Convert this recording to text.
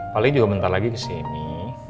paling juga bentar lagi kesini